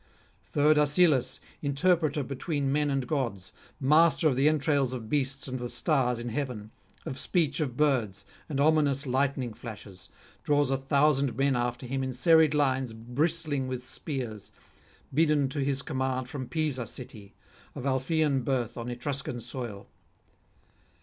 Third Asilas, interpreter between men and gods, master of the entrails of beasts and the stars in heaven, of speech of birds and ominous lightning flashes, draws a thousand men after him in serried lines bristling with spears, bidden to his command from Pisa city, of Alphaean birth on Etruscan soil.